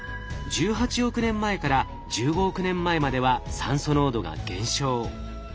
１８億年前から１５億年前までは酸素濃度が減少。